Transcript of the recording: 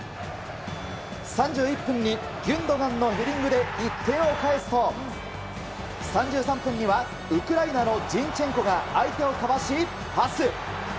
３１分にギュンドガンのヘディングで１点を返すと、３３分にはウクライナのジンチェンコが相手をかわし、パス。